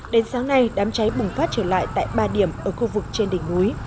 đến sáng nay đám cháy bùng phát trở lại tại ba điểm ở khu vực trên đỉnh núi